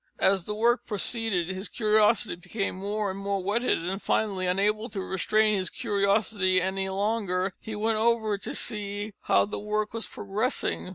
As the work proceeded his curiosity became more and more whetted, and finally, unable to restrain his curiosity any longer, he went over to see how the work was progressing.